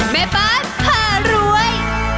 แม่บ้านผ่ารวย